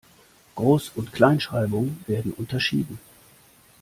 Groß- und Kleinschreibung werden unterschieden.